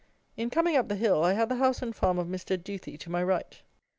In coming up the hill, I had the house and farm of Mr. Duthy to my right.